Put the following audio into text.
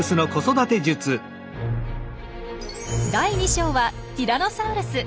第２章はティラノサウルス。